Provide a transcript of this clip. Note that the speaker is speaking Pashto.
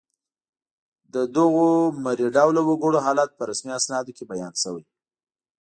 د دغو مري ډوله وګړو حالت په رسمي اسنادو کې بیان شوی